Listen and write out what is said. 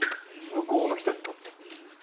向こうの人にとっても。